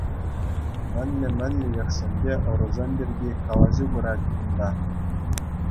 Мӗнле-мӗнле йӑхсемпе ӑрусем пирки калаҫу пырать кун-та?